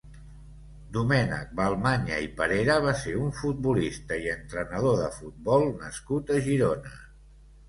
Domènec Balmanya i Perera va ser un futbolista i entrenador de futbol nascut a Girona.